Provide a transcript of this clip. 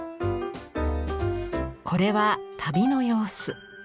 これは旅の様子。